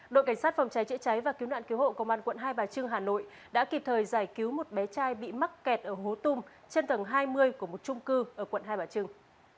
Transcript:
đội cảnh sát phòng cháy chữa cháy và cứu nạn cứu hộ công an quận hai bà trưng hà nội đã kịp thời giải cứu một bé trai bị mắc kẹt ở hố tung trên tầng hai mươi của một trung cư ở quận hai bà trưng